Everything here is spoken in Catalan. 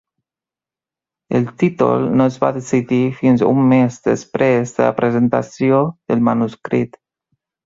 El títol no es va decidir fins un mes després de la presentació del manuscrit.